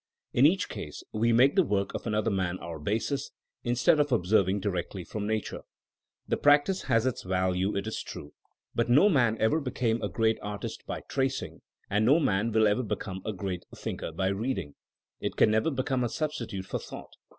In each case we make the work of another man our basis, instead of ob serving directly from Nature. The practice has its value, it is true; but no man ever became a 138 THINEma AS A SCIENCE great artist by tracing, and no man will ever be come a great thinker by reading. It can never become a substitute for thought.